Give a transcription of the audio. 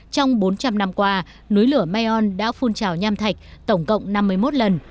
trong bốn trăm linh năm qua núi lửa mayon đã phun trào nham thạch tổng cộng năm mươi một lần